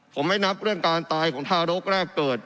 ผมไม่นับเรื่องการตายของทารกแรกเกิด